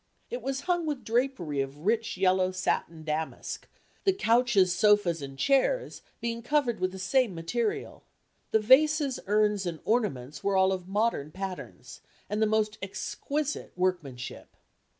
It was hung with drapery of rich yellow satin damask, the couches, sofas and chairs being covered with the same material. The vases, urns and ornaments were all of modern patterns, and the most exquisite workmanship.